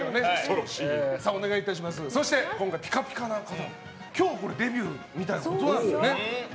そして、今回ピカピカな方。今日デビューみたいなことなんですね。